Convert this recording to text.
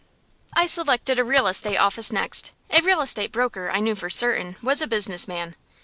I selected a real estate office next. A real estate broker, I knew for certain, was a business man.